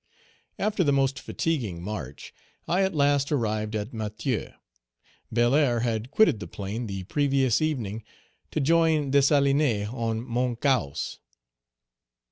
"After the most fatiguing march, I at last arrived at Matheux. Belair had quitted the plain the previous evening to join Dessalines on Mount Cahos.